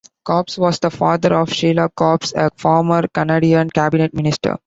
Copps was the father of Sheila Copps, a former Canadian cabinet minister.